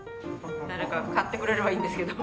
誰か買ってくれればいいんですけど。